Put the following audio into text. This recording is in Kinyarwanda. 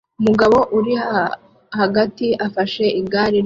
Umugabo uri hagati afashe igare rye